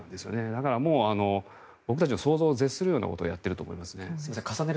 だからもう僕たちの想像を絶することをやっていると思いますね。